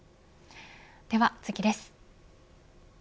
では次です。